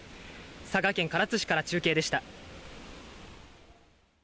佐賀県唐津市から中継でした。